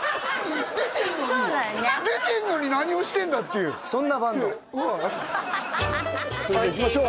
出てるのに出てるのに何をしてんだっていうそんなバンドそれではいきましょう